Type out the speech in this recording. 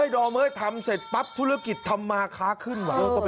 ดอมเฮ้ยทำเสร็จปั๊บธุรกิจทำมาค้าขึ้นว่ะ